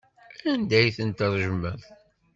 Anda ay ten-tṛejmeḍ?